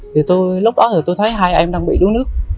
thì lúc đó thì tôi thấy hai em đang bị đuối nước